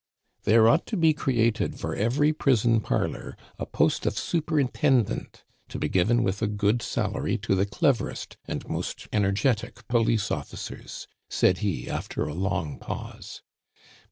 "There ought to be created for every prison parlor, a post of superintendent, to be given with a good salary to the cleverest and most energetic police officers," said he, after a long pause.